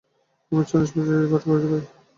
আমি চরণের স্পর্শে হৃদয় পাঠ করিতে পারি।